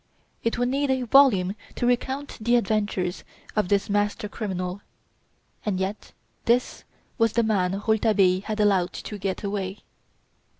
It would need a volume to recount the adventures of this master criminal. And yet this was the man Rouletabille had allowed to get away!